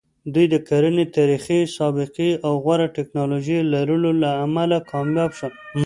دوی د کرنې تاریخي سابقې او غوره ټکنالوژۍ لرلو له امله کامیاب شول.